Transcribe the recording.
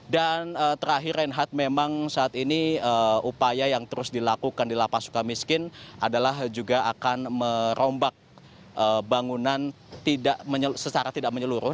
dan terakhir reinhardt memang saat ini upaya yang terus dilakukan di kalapas suka miskin adalah juga akan merombak bangunan secara tidak menyeluruh